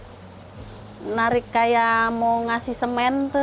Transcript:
tarik kayak mau ngasih semen terus tarik kayak mau ngasih semen terus